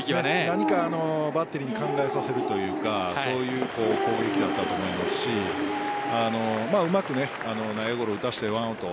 何かバッテリーに考えさせるというかそういう攻撃だったと思いますしうまく内野ゴロを打たせて１アウト。